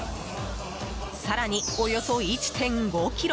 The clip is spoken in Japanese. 更に、およそ１５ｋｇ。